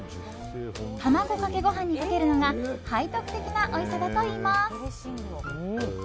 卵かけご飯にかけるのが背徳的なおいしさだといいます。